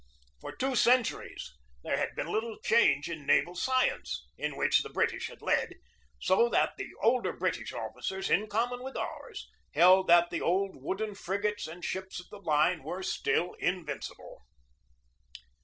For two centuries there had been little change in naval science, in which the British had led ; so that the older Brit ish officers, in common with ours, held that the old wooden frigates and ships of the line were still in vincible.